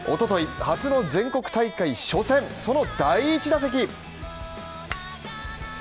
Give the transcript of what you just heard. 一昨日、初の全国大会初戦、その第１打席。